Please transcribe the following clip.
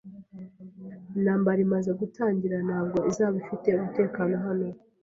Intambara imaze gutangira, ntabwo izaba ifite umutekano hano